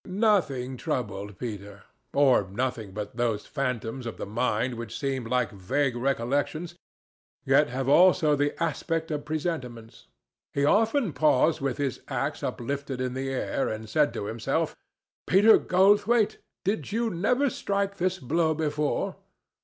Nothing troubled Peter, or nothing but those phantoms of the mind which seem like vague recollections, yet have also the aspect of presentiments. He often paused with his axe uplifted in the air, and said to himself, "Peter Goldthwaite, did you never strike this blow before?"